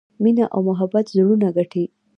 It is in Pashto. مینه او محبت زړونه ګټي.